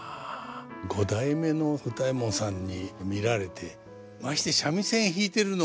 五代目の歌右衛門さんに見られてまして三味線弾いてるのが。